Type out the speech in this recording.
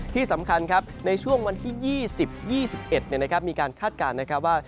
ที่สำคัญครับในช่วงวันที่๒๐๒๑มีการคาดการณ์นะครับว่า